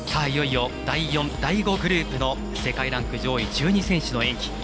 いよいよ第４、第５グループの世界ランク上位１２選手の演技。